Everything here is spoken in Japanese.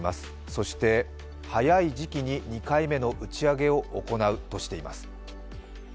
そして、早い時期に２回目の打ち上げを行うとしています。